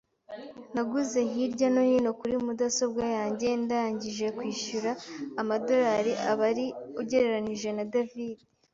Naguze hirya no hino kuri mudasobwa yanjye ndangije kwishyura amadorari abari ugereranije na David.